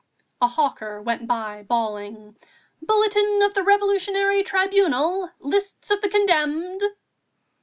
A hawker went by bawling: "Bulletin of the Revolutionary Tribunal!... list of the condemned!"